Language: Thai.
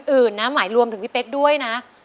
อื่นนะหมายรวมถึงพี่เป๊กด้วยนะ